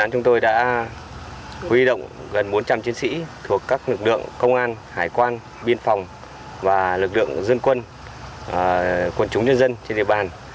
chúng tôi đã huy động gần bốn trăm linh chiến sĩ thuộc các lực lượng công an hải quan biên phòng và lực lượng dân quân quần chúng nhân dân trên địa bàn